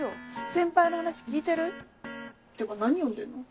先輩の話聞いてる？っていうか何読んでんの？